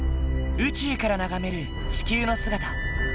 宇宙から眺める地球の姿。